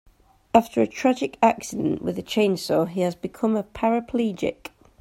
After a tragic accident with a chainsaw he has become a paraplegic.